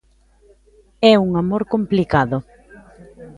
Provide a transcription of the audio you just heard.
É un amor complicado.